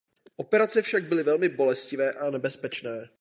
Operace však byly velmi bolestivé a nebezpečné.